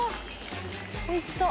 おいしそう。